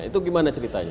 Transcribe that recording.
itu gimana ceritanya